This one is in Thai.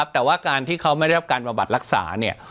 แต่ว่าการที่เขาไม่ได้รับการบำบัดรักษาเนี่ย